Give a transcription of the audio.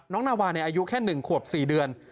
น้องนาวาในอายุแค่หนึ่งขวบสี่เดือน